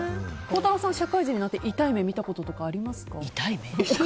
孝太郎さん、社会人になって痛い目見たこととかありますか？